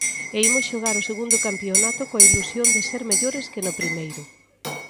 E imos xogar o segundo campionato coa ilusión de ser mellores que no primeiro.